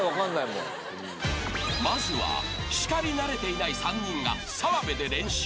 ［まずは叱り慣れていない３人が澤部で練習］